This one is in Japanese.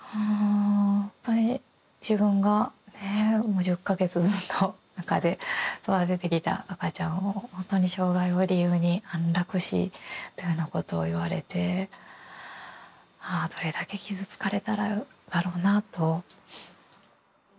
もう１０か月ずっとおなかで育ててきた赤ちゃんをほんとに障害を理由に安楽死というようなことを言われてああどれだけ傷つかれただろうなと。